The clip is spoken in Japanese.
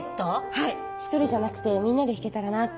はい１人じゃなくてみんなで弾けたらなって。